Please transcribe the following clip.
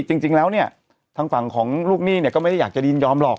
จริงแล้วเนี่ยทางฝั่งของลูกหนี้เนี่ยก็ไม่ได้อยากจะยินยอมหรอก